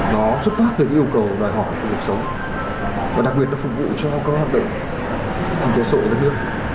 nó xuất phát từ yêu cầu đòi hỏi của việc sống và đặc biệt nó phục vụ cho các hợp định kinh tế sội đất nước